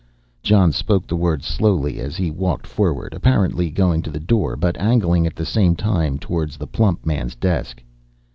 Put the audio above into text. Jon spoke the words slowly as he walked forward, apparently going to the door, but angling at the same time towards the plump man's desk.